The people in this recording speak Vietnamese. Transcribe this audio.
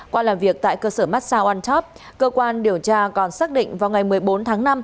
qua làm việc tại cơ sở massaguntop cơ quan điều tra còn xác định vào ngày một mươi bốn tháng năm